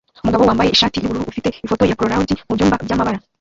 Umugabo wambaye umwenda wubururu ufite ifoto ya polaroid mubyumba byamabara